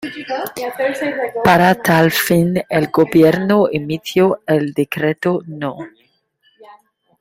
Para tal fin el gobierno emitió el Decreto No.